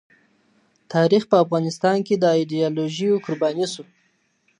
تاریخ په افغانستان کې د ایډیالوژیو قرباني سو.